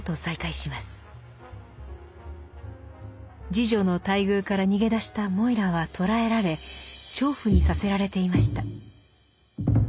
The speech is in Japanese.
侍女の待遇から逃げ出したモイラは捕らえられ娼婦にさせられていました。